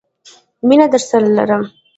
مینه درسره لرم